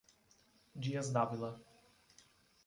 Dias D´ávila